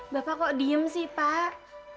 bapak kok diem sih pak